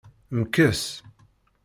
Mkes.